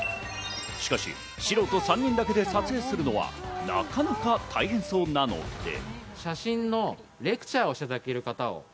しかし、素人３人だけで撮影するのはなかなか大変そうなので。